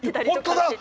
本当だ！